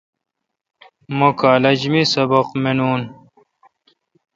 مہ کالج می سبق مینون۔